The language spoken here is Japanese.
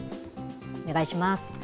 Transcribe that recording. お願いします。